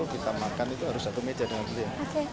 kita makan itu harus satu meja dengan beliau